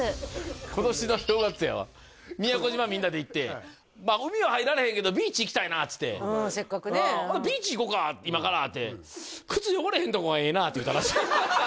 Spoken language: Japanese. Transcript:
今年の正月やわ宮古島みんなで行って海は入られへんけどビーチ行きたいなっつってほなビーチ行こうか今からって靴汚れへんとこがええなって言ったらしい